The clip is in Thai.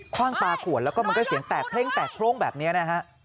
ว่างปลาขวดแล้วก็มันก็เสียงแตกเพลงแตกโพร่งแบบนี้นะฮะ